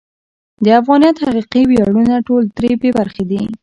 د افغانیت حقیقي ویاړونه ټول ترې بې برخې دي.